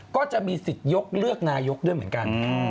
ก็จะมีสิทธิ์ยกเลือกนายกด้วยเหมือนกัน